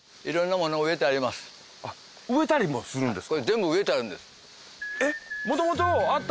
植えたりもするんですか？